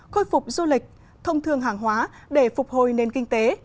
khôi phục du lịch thông thương hàng hóa để phục hồi nền kinh tế